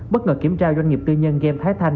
bất ngờ kiểm tra doanh nghiệp tư nhân game thái thanh